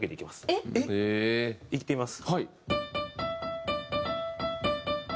えっ？いってみます。